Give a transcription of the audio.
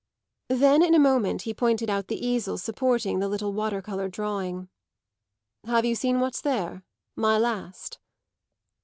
Then in a moment he pointed out the easel supporting the little water colour drawing. "Have you seen what's there my last?"